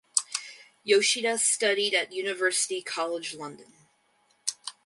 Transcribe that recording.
Yoshida studied at University College London.